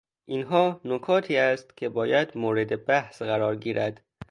اینها نکاتی است که باید مورد بحث قرار گیرد.